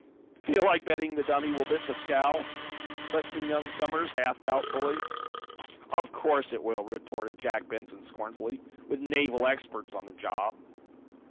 "Feel like betting the dummy will bit the scow?" questioned young Somers, half doubtfully. "Of course it will," retorted Jack Benson, scornfully, "with naval experts on the job!"